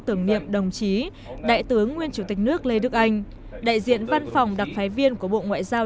tưởng niệm đồng chí đại tướng nguyên chủ tịch nước lê đức anh đại diện văn phòng đặc phái viên của bộ ngoại giao